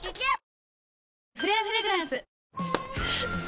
「フレアフレグランス」よし！